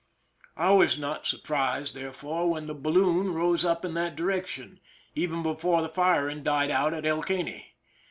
I was not surprised, therefore, when the balloon rose up in that direction, even before the firing died out at El Caney.